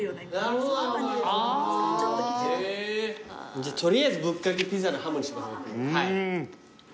じゃあ取りあえずぶっかけピザのハムにします僕。